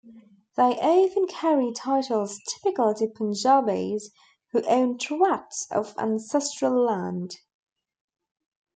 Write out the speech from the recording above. They often carry titles typical to Punjabis who own tracts of ancestral land.